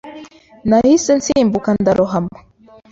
Nahise nsimbuka ndarohama.